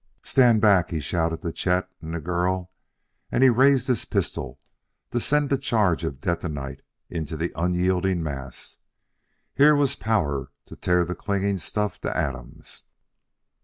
"Stand back!" he shouted to Chet and the girl, and he raised his pistol to send a charge of detonite into the unyielding mass. Here was power to tear the clinging stuff to atoms.